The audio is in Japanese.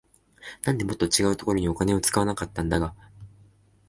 なんでもっと違うところにお金使わなかったんだか